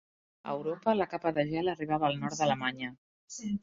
A Europa, la capa de gel arribava al nord d'Alemanya.